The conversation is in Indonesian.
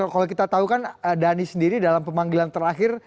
kalau kita tahu kan dhani sendiri dalam pemanggilan terakhir